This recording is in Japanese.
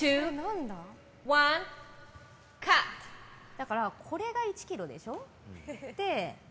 だからこれが１ｋｇでしょう。